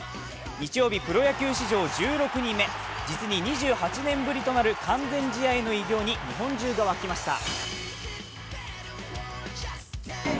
日曜日、プロ野球史上１６人目、実に２８年ぶりとなる完全試合の偉業に日本中が沸きました。